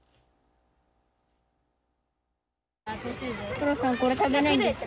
トラさんこれ食べないんですか？